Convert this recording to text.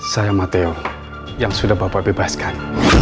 saya mateo yang sudah bapak bebaskan